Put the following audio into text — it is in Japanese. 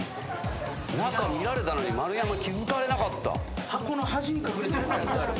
中見られたのに丸山気付かれなかった。